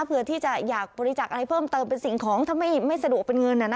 เพื่อที่จะอยากบริจักษ์อะไรเพิ่มเติมเป็นสิ่งของถ้าไม่สะดวกเป็นเงิน